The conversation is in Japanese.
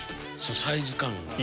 サイズ感がな。